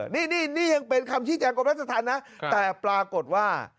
นี่ยังเป็นคำชี้แจงกรมราชธรรมนะแต่ปรากฏว่า